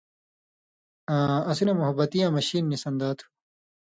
آں اَسی نہ مُوحبَتِیاں مَشِین نِی سَن٘دا تُھو